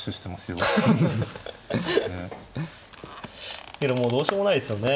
けどもうどうしようもないですよね。